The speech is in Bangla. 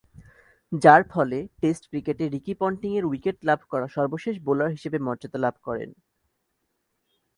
যার ফলে টেস্ট ক্রিকেটে রিকি পন্টিং এর উইকেট লাভ করা সর্বশেষ বোলার হিসেবে মর্যাদা লাভ করেন।